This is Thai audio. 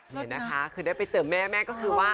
นี่นะคะคือได้ไปเจอแม่แม่ก็คือว่า